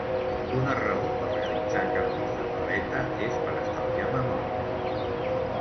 Una raó per realitzar canvis de paleta és per estalviar memòria.